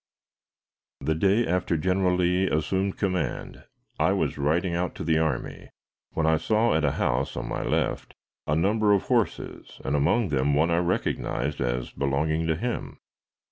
The day after General Lee assumed command, I was riding out to the army, when I saw at a house on my left a number of horses, and among them one I recognized as belonging to him.